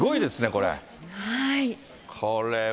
これは。